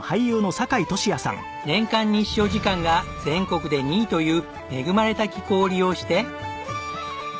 年間日照時間が全国で２位という恵まれた気候を利用して。